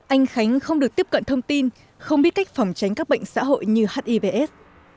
anh khánh không được tiếp cận thông tin không biết cách phòng tránh các bệnh xã hội như hivs